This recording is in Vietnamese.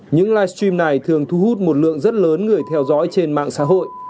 những live stream này thường thu hút một lượng rất lớn người theo dõi trên mạng xã hội